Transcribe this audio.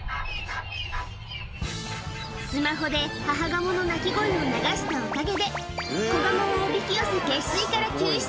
スマホで母ガモの鳴き声を流したおかげで、子ガモをおびき寄せて、下水から救出。